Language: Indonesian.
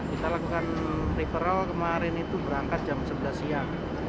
kita lakukan referral kemarin itu berangkat jam sebelas siang